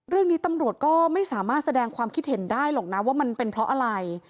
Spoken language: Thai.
เรื่องนี้ตำรวจก็ไม่สามารถแสดงความคิดเห็นได้หรอกนะว่ามันเป็นเพราะอะไร